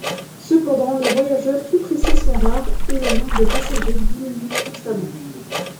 Cependant, les voyageurs peu pressés sont rares et le nombre de passagers diminuent constamment.